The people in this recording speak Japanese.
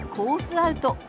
アウト。